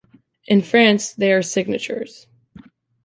In France they are "signatures".